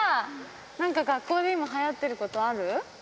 なんか学校で今、はやってることある？